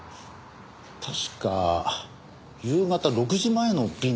確か夕方６時前の便だったと。